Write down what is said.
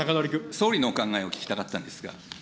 総理のお考えを聞きたかったんですが。